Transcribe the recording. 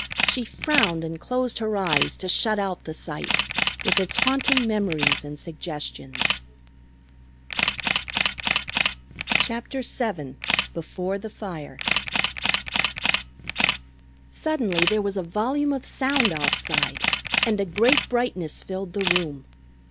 She frowned and closed her eyes to shut out the sight with its haunting memories and suggestions CHAPTER VII BEFORE THE FIRE Suddenly there was a volume of sound outside, and a great brightness filled the room.